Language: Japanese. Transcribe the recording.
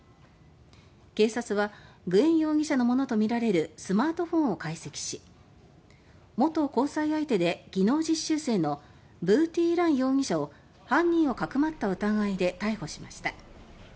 警察はグエン容疑者のものとみられるスマートフォンを解析し元交際相手で技能実習生のヴー・ティ・ラン容疑者を犯人をかくまった疑いで逮捕しました。